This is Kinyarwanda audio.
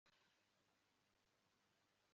Rubyagiranzira rwa ndanze guhigama